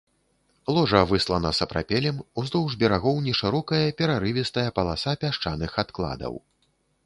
Ложа выслана сапрапелем, уздоўж берагоў нешырокая перарывістая паласа пясчаных адкладаў.